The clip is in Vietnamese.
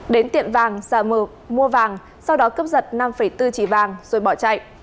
đến tiện vàng xà mượt mua vàng sau đó cấp giật năm bốn chỉ vàng rồi bỏ chạy